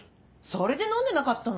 それで飲んでなかったの？